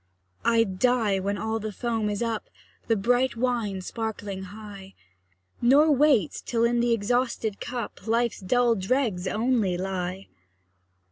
I'd die when all the foam is up, The bright wine sparkling high; Nor wait till in the exhausted cup Life's dull dregs only lie.